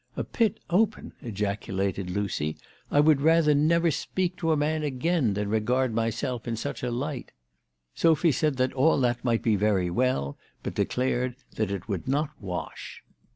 " A pit open !" ejaculated Lucy ;" I would rather never speak to a man again than regard myself in such a light." Sophy said that all that might be very well, but declared that it " would not wash."